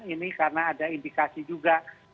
ini karena ada indikasi juga